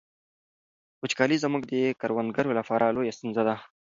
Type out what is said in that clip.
وچکالي زموږ د کروندګرو لپاره لویه ستونزه ده.